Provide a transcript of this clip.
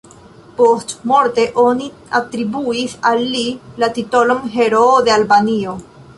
Postmorte oni atribuis al li la titolon "Heroo de Albanio".